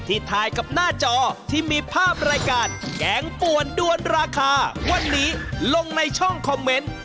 ถ่ายกับหน้าจอที่มีภาพรายการแกงป่วนด้วนราคาวันนี้ลงในช่องคอมเมนต์